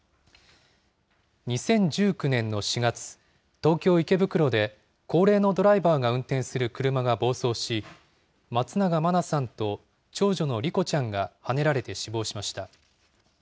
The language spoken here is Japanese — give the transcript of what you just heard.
２０１９年の４月、東京・池袋で高齢のドライバーが運転する車が暴走し、松永真菜さんと長女の莉子ちゃんがはねられて死亡しました。